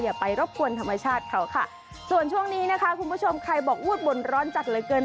อย่าไปรบกวนธรรมชาติเขาค่ะส่วนช่วงนี้นะคะคุณผู้ชมใครบอกอูดบ่นร้อนจัดเหลือเกิน